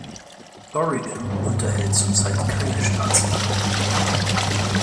Oregon unterhält zurzeit keine Staatsgarde.